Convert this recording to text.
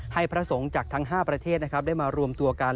พระสงฆ์จากทั้ง๕ประเทศได้มารวมตัวกัน